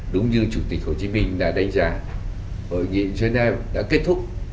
đúng như chủ tịch hồ chí minh đã đánh giá hội nghị geneva đã kết thúc